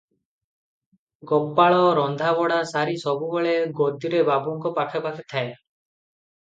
ଗୋପାଳ ରନ୍ଧାବଢ଼ା ସାରି ସବୁବେଳେ ଗଦିରେ ବାବୁଙ୍କ ପାଖେ ପାଖେ ଥାଏ ।